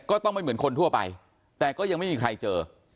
ต้องไม่เหมือนคนทั่วไปแต่ก็ยังไม่มีใครเจอ